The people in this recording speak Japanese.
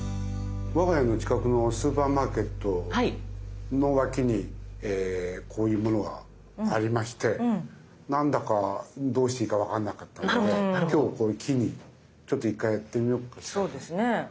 我が家の近くのスーパーマーケットの脇にこういうものがありまして何だかどうしていいか分かんなかったので今日これ機にちょっと１回やってみようかなと。